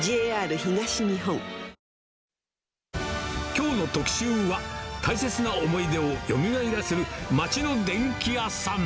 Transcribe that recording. きょうの特集は、大切な思い出をよみがえらせる町の電気屋さん。